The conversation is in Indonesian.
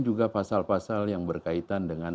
juga pasal pasal yang berkaitan dengan